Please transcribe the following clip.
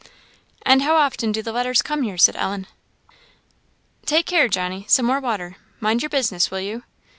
"And how often do the letters come here?" said Ellen. "Take care, Johnny! some more water mind your business, will you?